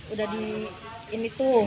udah di ini tuh